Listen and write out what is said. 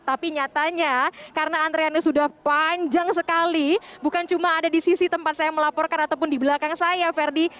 tapi nyatanya karena antreannya sudah panjang sekali bukan cuma ada di sisi tempat saya melaporkan ataupun di belakang saya ferdi